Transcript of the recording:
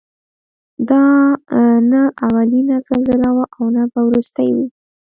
دا نه اولینه زلزله وه او نه به وروستۍ وي.